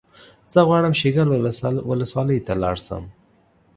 زه غواړم شیګل ولسوالۍ ته لاړ شم